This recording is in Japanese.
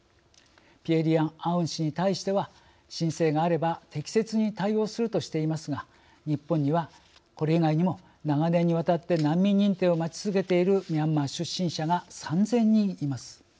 ピエ・リアン・アウン氏に対しては申請があれば適切に対応するとしていますが日本にはこれ以外にも長年にわたって難民認定を待ち続けているミャンマー出身者が３，０００人います。